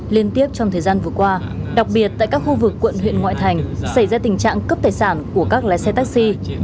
liên tiếp trong thời gian vừa qua đặc biệt tại các khu vực quận huyện ngoại thành xảy ra tình trạng cướp tài sản của các lái xe taxi